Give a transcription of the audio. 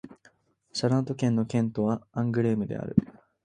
シャラント県の県都はアングレームである